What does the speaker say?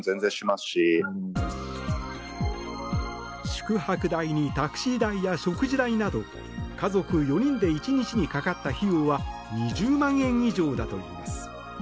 宿泊代にタクシー代や食事代など家族４人で１日にかかった費用は２０万円以上だといいます。